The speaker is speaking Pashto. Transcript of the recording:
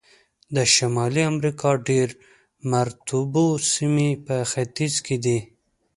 د شمالي امریکا ډېر مرطوبو سیمې په ختیځ کې دي.